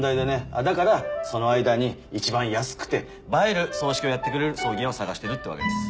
だからその間に一番安くて映える葬式をやってくれる葬儀屋を探してるってわけです。